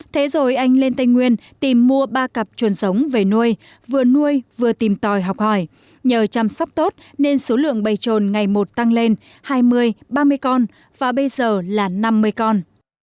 thế rồi anh lên tây nguyên tìm mua ba cặp chuồn giống về nuôi vừa nuôi vừa tìm tòi học hỏi nhờ chăm sóc tốt nên số lượng bày trồn ngày một tăng lên hai mươi ba mươi con và bây giờ là năm mươi con